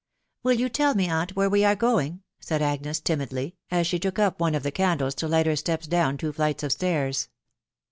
" Will you tell me, aunt, where we are going ?" said Agnes timidly, as she took up one of the candles to light her steps down two flights of stairs.